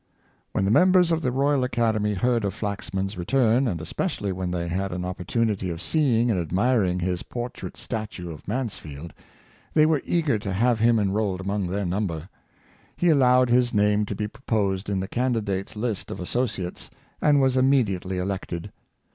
" When the members of the Royal Academy heard of Flaxman's return, and especially when they had an op portunity of seeing and admiring his portrait statue of Mansfield, they were eager to have him enrolled among their number. He allowed his name to be proposed in the candidates' list of associates, and was immediately elected.